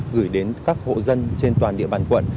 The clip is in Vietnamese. gửi đến các hộ dân trên toàn địa bàn quận